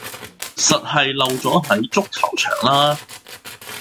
實係漏咗喺足球場啦